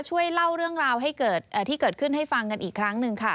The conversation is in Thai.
ช่วยเล่าเรื่องราวให้เกิดที่เกิดขึ้นให้ฟังกันอีกครั้งหนึ่งค่ะ